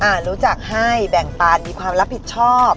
รู้จักให้แบ่งปันมีความรับผิดชอบ